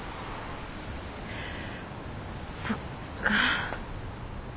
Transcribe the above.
そっか。